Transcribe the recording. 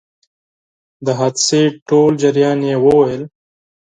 د حادثې ټول جریان یې وویل.